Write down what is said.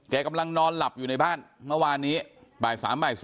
กำลังนอนหลับอยู่ในบ้านเมื่อวานนี้บ่าย๓บ่าย๔